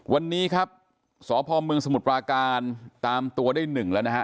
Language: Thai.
วันนี้ครับสพมสมุทรปราการตามตัวได้หนึ่งแล้วนะฮะ